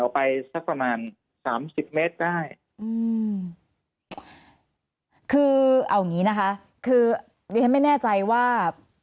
ออกไปสักประมาณ๓๐เมตรได้คือเอางี้นะคะคือไม่แน่ใจว่า